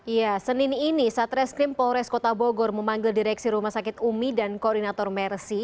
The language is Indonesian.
ya senin ini satreskrim polres kota bogor memanggil direksi rumah sakit umi dan koordinator mercy